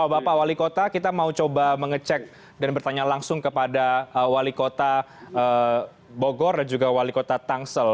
bapak wali kota kita mau coba mengecek dan bertanya langsung kepada wali kota bogor dan juga wali kota tangsel